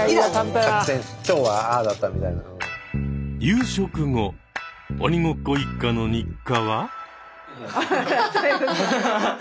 夕食後鬼ごっこ一家の日課は？